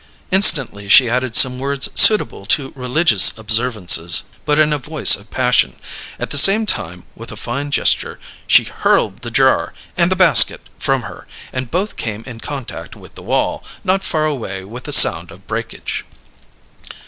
Instantly she added some words suitable to religious observances, but in a voice of passion. At the same time, with a fine gesture, she hurled the jar and the basket from her, and both came in contact with the wall, not far away, with a sound of breakage.